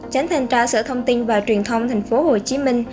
chánh thanh tra sở thông tin và truyền thông tp hcm